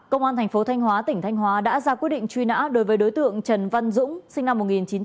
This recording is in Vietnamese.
công an thành phố thanh hóa tỉnh thanh hóa đã ra quyết định truy nã đối với đối tượng trần văn dũng sinh năm một nghìn chín trăm tám mươi